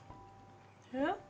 えっ？